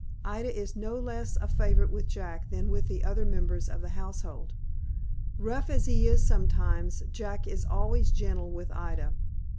Ida is no less a favorite with Jack than with the other members of the household. Rough as he is sometimes, Jack is always gentle with Ida.